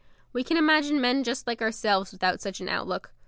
We can imagine men just like ourselves without such an outlook.